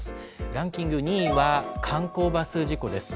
ランキング２位は観光バス事故です。